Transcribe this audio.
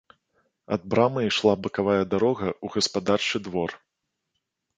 Ад брамы ішла бакавая дарога ў гаспадарчы двор.